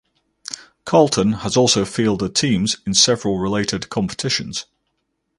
Carlton has also fielded teams in several related competitions.